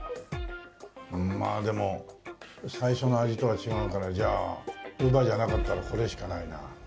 まあでも最初の味とは違うからじゃあウバじゃなかったらこれしかないな。